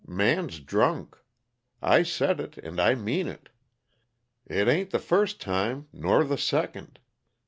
Man's drunk. I said it, and I mean it. It ain't the first time, nor the second.